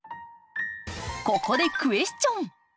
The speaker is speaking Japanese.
ここでクエスチョン！